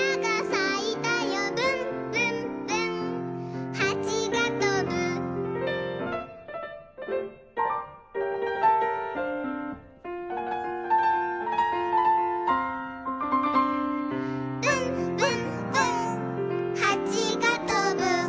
「ぶんぶんぶんはちがとぶ」「ぶんぶんぶんはちがとぶ」